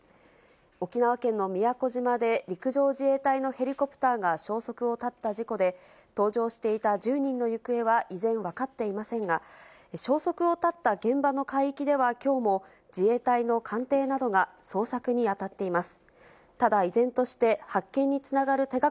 沖縄県の宮古島で陸上自衛隊のヘリコプターが消息を絶った事故で、搭乗していた１０人の行方は依然、分かっていませんが、消息を絶った現場の海域ではきょうも、自衛隊の艦艇などが捜索に当たっています。